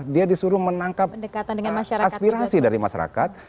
dia disuruh menangkap aspirasi dari masyarakat